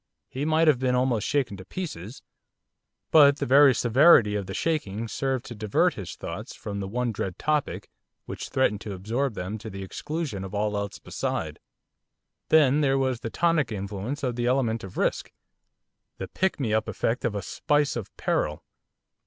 He might have been almost shaken to pieces, but the very severity of the shaking served to divert his thoughts from the one dread topic which threatened to absorb them to the exclusion of all else beside. Then there was the tonic influence of the element of risk. The pick me up effect of a spice of peril.